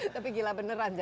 tapi gila beneran